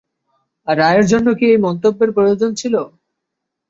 রায়ের জন্য কি এই মন্তব্যের প্রয়োজন ছিল?